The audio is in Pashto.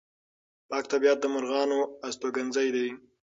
پاک طبیعت د مرغانو استوګنځی دی.